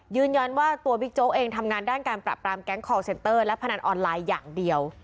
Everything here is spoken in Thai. ยืนยันว่าตัวบิ๊กโจ๊กเองทำงานด้านการปรับปรามแก๊งคอลเซนเตอร์และพนันออนไลน์อย่างเดียว